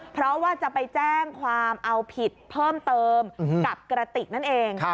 เพราะว่าจะไปแจ้งความเอาผิดเพิ่มเติมกับกระติกนั่นเอง